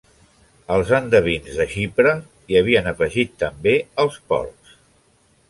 Els endevins de Xipre hi havien afegit també els porcs.